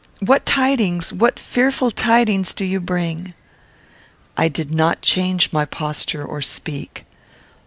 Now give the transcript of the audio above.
What tidings, what fearful tidings, do you bring?" I did not change my posture or speak.